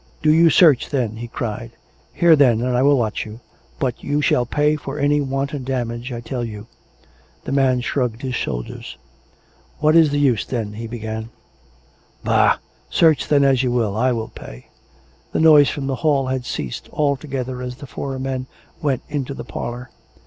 " Do you search, then !" he cried. " Here, then, and I will watch you! But you shall pay for any wanton dam age, I tell you." The man shrugged his shoulders. " What is the use, then " he began. " Bah ! search, then, as you will. I will pay." The noise from the hall had ceased altogether as the four men went into the parlour.